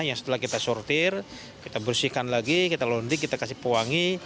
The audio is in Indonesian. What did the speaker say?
yang setelah kita sortir kita bersihkan lagi kita londik kita kasih pewangi